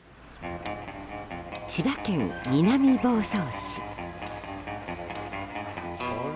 千葉県南房総市。